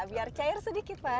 biar cair sedikit pak